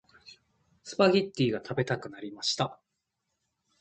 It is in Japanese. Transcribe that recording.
スパゲッティが食べたくなりました。